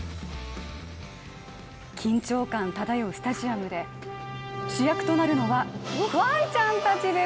緊張感漂うスタジアムで主役となるのはワンちゃんたちです。